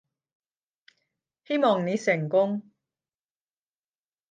希望你成功